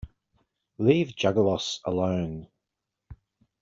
Leave Juggalos alone!